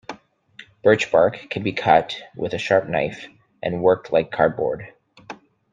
Birch bark can be cut with a sharp knife, and worked like cardboard.